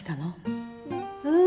うん。